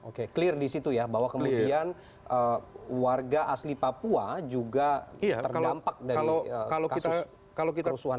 oke clear di situ ya bahwa kemudian warga asli papua juga terdampak dari kasus kerusuhan